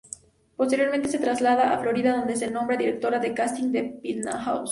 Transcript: Posteriormente se traslada a Florida donde es nombrada directora de casting de Penthouse.